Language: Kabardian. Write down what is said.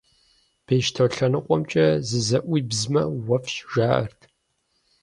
Бещто лъэныкъуэмкӀэ зызэӀуибзмэ, уэфщӀ, жаӀэрт.